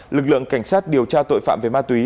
lực lượng cảnh sát điều tra tội phạm về ma túy